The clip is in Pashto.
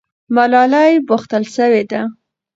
ملالۍ پوښتل سوې ده.